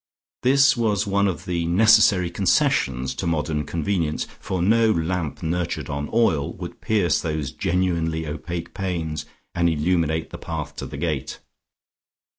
This was one of the necessary concessions to modern convenience, for no lamp nurtured on oil would pierce those genuinely opaque panes, and illuminate the path to the gate.